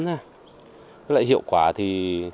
với lại hiệu quả thì